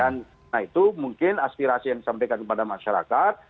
nah itu mungkin aspirasi yang disampaikan kepada masyarakat